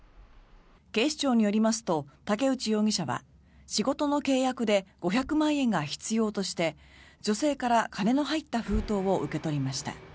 警視庁によりますと竹内容疑者は仕事の契約で５００万円が必要として女性から金の入った封筒を受け取りました。